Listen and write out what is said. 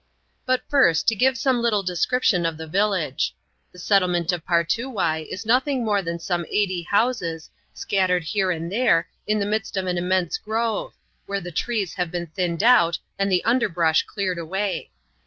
But first, to give some little description of the village. The settlement of Partoowye is nothing more than some eighty houses, scattered here and there, in the midst of an im mense grove, where the trees have been thinned out, and the underbrush cleared away.